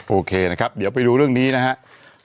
โอเคนะครับเดี๋ยวไปดูเรื่องนี้นะครับ